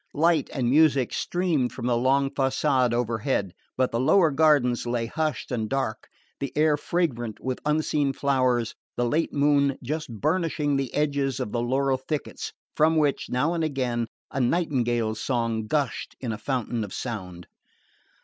Light and music streamed from the long facade overhead, but the lower gardens lay hushed and dark, the air fragrant with unseen flowers, the late moon just burnishing the edges of the laurel thickets from which, now and again, a nightingale's song gushed in a fountain of sound.